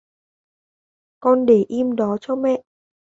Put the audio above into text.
con để im đó cho mẹ